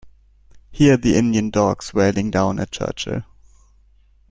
Hear the Indian dogs wailing down at Churchill.